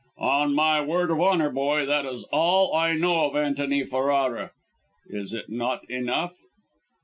"On my word of honour, boy, that is all I know of Antony Ferrara. Is it not enough?"